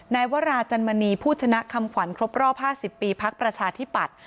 นายวราจันมณีผู้ชนะคำขวัญครบรอบ๕๐ปีพักประชาธิปัตย